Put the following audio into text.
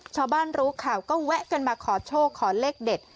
ชาวบ้านรู้ข่าวก็แวะกันมาขอโชคขอเลขเด็ด